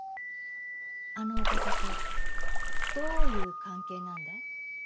あのお方とどういう関係なんだい？